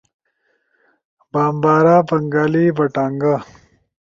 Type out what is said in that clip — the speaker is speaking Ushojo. بامبارا، بنگالی، بٹانگا